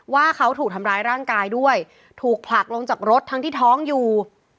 ว่าเขาถูกทำร้ายร่างกายด้วยถูกผลักลงจากรถทั้งที่ท้องอยู่